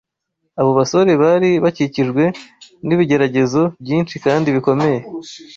abo basore bari bakikijwe n’ibigeragezo byinshi kandi bikomeye.